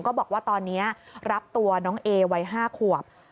บอกว่าตอนนี้รับตัวน้องเอวัย๕ขวบ